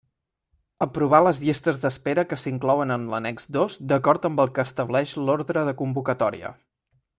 Aprovar les llistes d'espera que s'inclouen en l'Annex dos d'acord amb el que estableix l'ordre de convocatòria.